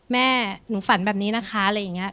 แม่หนูฝันแบบนี้นะคะอะไรอย่างนี้